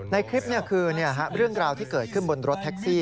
ในคลิปคือเรื่องราวที่เกิดขึ้นบนรถแท็กซี่